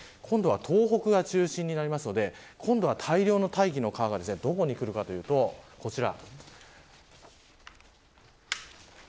今度は東北が中心になるので大量の大気の川がどこに来るかというと、こちら。